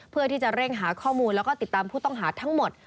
เพื่อที่จะเร่งหาข้อมูลแล้วก็ติดตามผู้ต้องหาทั้งหมด